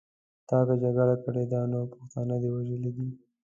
تا که جګړه کړې ده نو پښتانه دې وژلي دي.